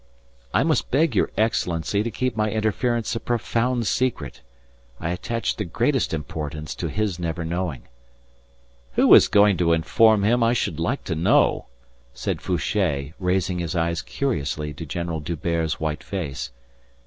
"I must beg your Excellency to keep my interference a profound secret. I attach the greatest importance to his never knowing..." "Who is going to inform him I should like to know," said Fouché, raising his eyes curiously to General D'Hubert's white face.